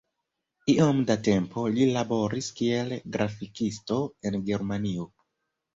Iom da tempo li laboris kiel grafikisto en Germanio.